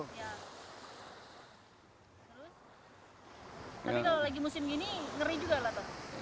tapi kalau lagi musim gini ngeri juga lah